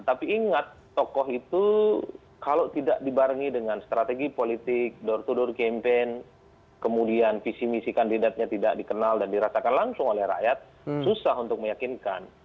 tapi ingat tokoh itu kalau tidak dibarengi dengan strategi politik door to door campaign kemudian visi misi kandidatnya tidak dikenal dan dirasakan langsung oleh rakyat susah untuk meyakinkan